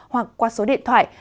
hoặc qua số điện thoại